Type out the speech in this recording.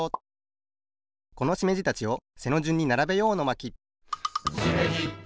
このしめじたちを背のじゅんにならべよう！の巻